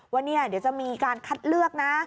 ว่าเนี่ยเดี๋ยวจะมีการคัดเลือกนะ